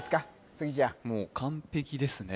杉ちゃんもう完璧ですね